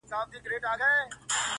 اوس يې ياري كومه ياره مـي ده،